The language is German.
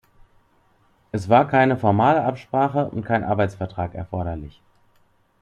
Es war keine formale Absprache und kein Arbeitsvertrag erforderlich.